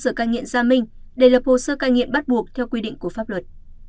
dùng ca nghiện gia minh đầy lập hồ sơ ca nghiện bắt buộc theo quy định của pháp luật